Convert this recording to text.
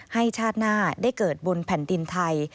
ชาติหน้าได้เกิดบนแผ่นดินไทย